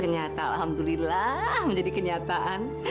ternyata alhamdulillah menjadi kenyataan